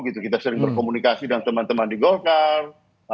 kita sering berkomunikasi dengan teman teman di golkar